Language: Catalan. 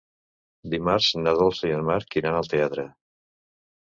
Dimarts na Dolça i en Marc iran al teatre.